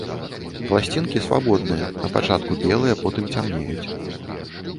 Пласцінкі свабодныя, напачатку белыя, потым цямнеюць.